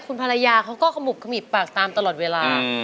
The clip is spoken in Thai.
คุณภรรยาเขาก็ขมุบขมิบปากตามตลอดเวลา